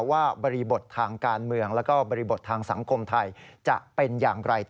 ว่าบริบททางการเมืองและก็บริบททางสังคมไทย